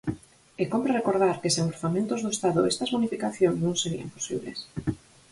E cómpre recordar que sen orzamentos do Estado estas bonificacións non serían posibles.